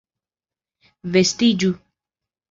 Vestiĝu!